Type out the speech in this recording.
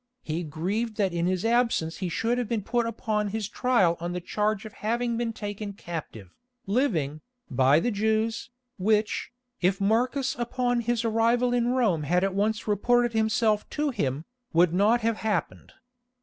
He grieved that in his absence he should have been put upon his trial on the charge of having been taken captive, living, by the Jews, which, if Marcus upon his arrival in Rome had at once reported himself to him, would not have happened.